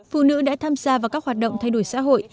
phụ nữ đã tham gia vào các hoạt động thay đổi xã hội